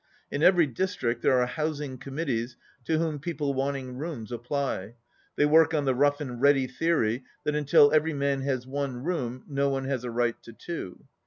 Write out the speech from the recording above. In every district there are housing committees to whom people wanting rooms apply. They work on the rough and ready theory that until every man has one room no one has a right to two.